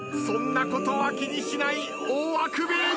そんなことは気にしない大あくび。